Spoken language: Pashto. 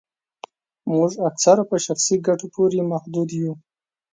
موږ اکثره په شخصي ګټو پوري محدود یو